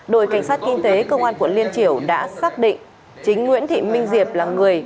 đội cảnh sát kinh tế công an quận liên triểu đã xác định chính nguyễn thị minh diệp là người